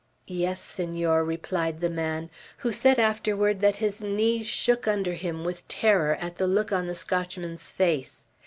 "Yes, Senor," replied the man, who said afterward that his knees shook under him with terror at the look on the Scotchman's face.